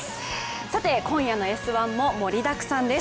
今夜の「Ｓ☆１」も盛りだくさんです。